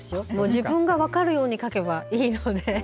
自分が分かるように書けばいいので。